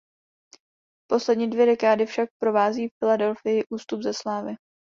Poslední dvě dekády však provází Philadelphii ústup ze slávy.